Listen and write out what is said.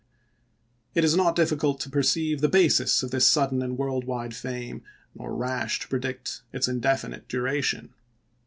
It is not difficult to perceive the basis of this sudden and world wide fame, nor rash to predict its indefinite duration.